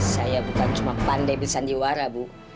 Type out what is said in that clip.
saya bukan cuma pandai bersandiwara bu